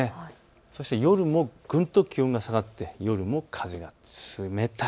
そして夜もぐんと気温が下がって夜も風が冷たい。